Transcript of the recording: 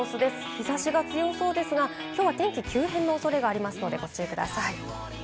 日差しが強そうですが、きょうは天気、急変のおそれがありますのでご注意ください。